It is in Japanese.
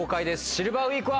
シルバーウイークは。